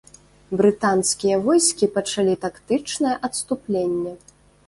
Брытанскія войскі пачалі тактычнае адступленне.